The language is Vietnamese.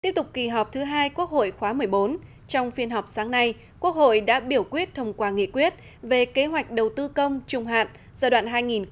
tiếp tục kỳ họp thứ hai quốc hội khóa một mươi bốn trong phiên họp sáng nay quốc hội đã biểu quyết thông qua nghị quyết về kế hoạch đầu tư công trung hạn giai đoạn hai nghìn một mươi sáu hai nghìn hai mươi